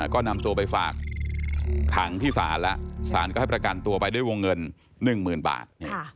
ก็นำตัวไปฝากขังที่ศาลแล้วศาลก็ให้ประกันตัวไปด้วยวงเงิน๑๐๐๐บาท